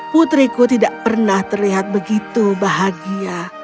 putriku tidak pernah terlihat begitu bahagia